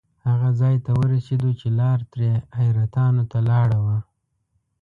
هغه ځای ته ورسېدو چې لار ترې حیرتانو ته لاړه وه.